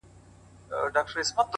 زه چي سهار له خوبه پاڅېږمه~